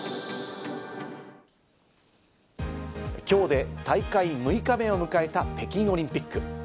今日で大会６日目を迎えた北京オリンピック。